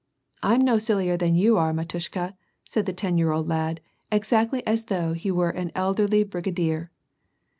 " I'm no sillier than you are, mdttishka f " said the ten year old lad, exactly as though he were an elderly brigadier.